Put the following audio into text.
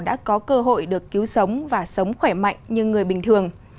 đã có cơ hội được cứu sống và sống khỏe mạnh như người bình thường